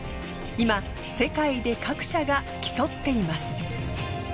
今世界で各社が競っています。